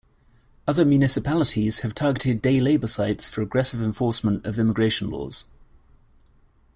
Other municipalities have targeted day labor sites for aggressive enforcement of immigration laws.